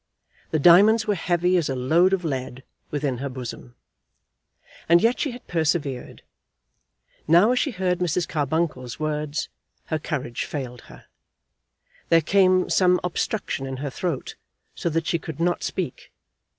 The diamonds were heavy as a load of lead within her bosom. And yet she had persevered. Now, as she heard Mrs. Carbuncle's words, her courage failed her. There came some obstruction in her throat, so that she could not speak.